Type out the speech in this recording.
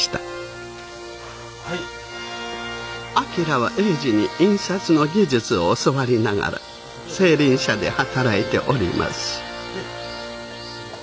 旭は英治に印刷の技術を教わりながら青凜社で働いております。